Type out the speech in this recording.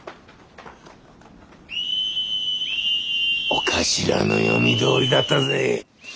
長官の読みどおりだったぜ。